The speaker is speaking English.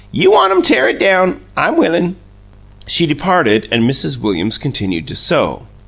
You want 'em tear it down, I'm willin'." She departed, and Mrs. Williams continued to sew.